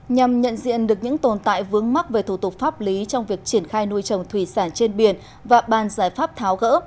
nhằm nhận diện được những tồn tại vướng mắc về thủ tục pháp lý trong việc triển khai nuôi trồng thủy sản trên biển và bàn giải pháp tháo gỡ